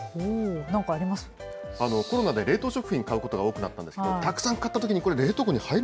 コロナで冷凍食品を買うことが多くなったんですけれども、たくさん買ったときに、これ、冷凍確かに。